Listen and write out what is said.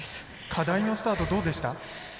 課題のスタート、どうでした？